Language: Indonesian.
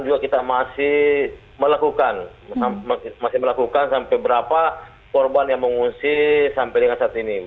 juga kita masih melakukan masih melakukan sampai berapa korban yang mengungsi sampai dengan saat ini